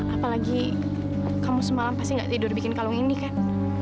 apalagi kamu semalam pasti nggak tidur bikin kalung ini kan